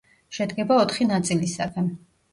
შედგება ოთხი ნაწილისაგან.